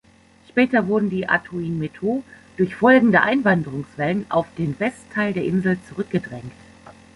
Später wurden die Atoin Meto durch folgende Einwanderungswellen auf den Westteil der Insel zurückgedrängt.